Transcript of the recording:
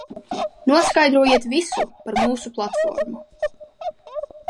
Noskaidrojiet visu par mūsu platformu.